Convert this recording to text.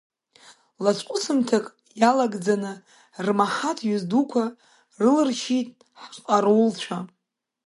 Лацәҟәысымҭак иалагӡаны рмаҳаҭ ҩыз дуқәа рылыршьит ҳҟарулцәа…